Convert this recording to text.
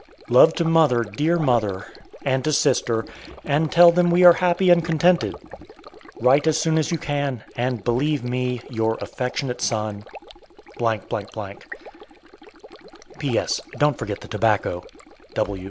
Love to mother, dear mother; and to sister, and tell them we are happy and contented. Write as soon as you can, and believe me, Your affectionate son, . P.S. Don't forget the tobacco.